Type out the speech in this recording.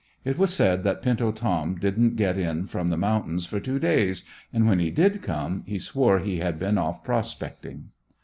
It was said that "Pinto Tom" didn't get in from the mountains for two days, and when he did come, he swore he had been off prospecting.